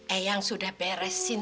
eyang sudah beresin